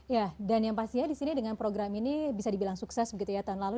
ya dan yang pastinya disini dengan program ini bisa dibilang sukses begitu ya tahun lalu